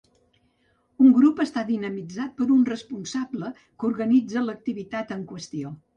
Un grup està dinamitzat per un responsable que organitza l’activitat en qüestió.